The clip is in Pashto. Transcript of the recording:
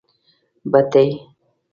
بتۍ.